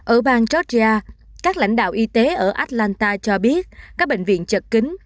ở bang georgia các lãnh đạo y tế ở atlanta cho biết các bệnh viện chật kính